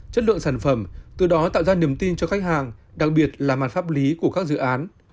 chất lượng sản phẩm từ đó tạo ra niềm tin cho khách hàng đặc biệt là mặt pháp lý của các dự án